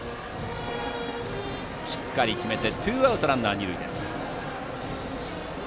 しっかり決めてツーアウトランナー、二塁です。